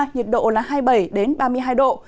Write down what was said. nhiệt độ là hai mươi bảy ba mươi hai độ